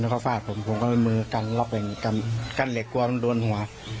แล้วเขาฟาดผมผมก็มือกันล็อกแบ่งกันเหล็กกลัวต้องโดนหัว